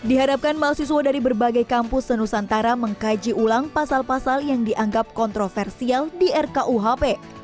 dihadapkan mahasiswa dari berbagai kampus senusantara mengkaji ulang pasal pasal yang dianggap kontroversial di rkuhp